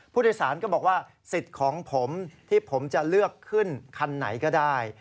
ผู้โดยสารก็บอกว่าสิทธิ์ของผมที่ผมจะเลือกขึ้นคันไหนก็ได้